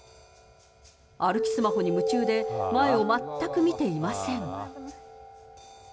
歩きスマホに夢中で、前を全く見ていません。